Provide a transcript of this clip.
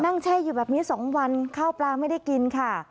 แช่อยู่แบบนี้๒วันข้าวปลาไม่ได้กินค่ะ